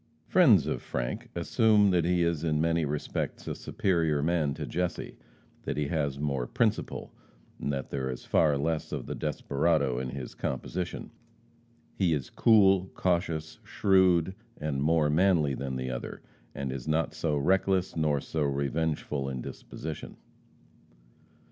Friends of Frank assume that he is in many respects a superior man to Jesse; that he has more principle, and that there is far less of the desperado in his composition. He is cool, cautious, shrewd, and more manly than the other, and is not so reckless nor so revengeful in disposition.